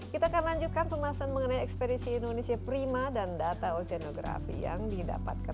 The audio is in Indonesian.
kita akan lanjutkan pembahasan mengenai ekspedisi indonesia prima dan data oseanografi yang didapatkan